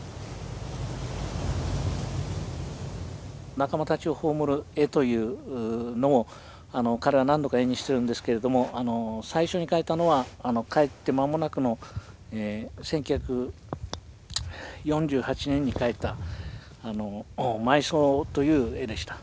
仲間たちを葬る絵というのを彼は何度か絵にしてるんですけれども最初に描いたのは帰って間もなくの１９４８年に描いた「埋葬」という絵でした。